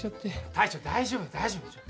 「大将大丈夫大丈夫」